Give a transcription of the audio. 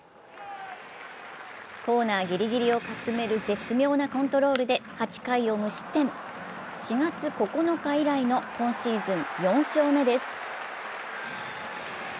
コーナーギリギリをかすめる絶妙なコントロールで８回を無失点４月９日以来の今シーズン４勝目です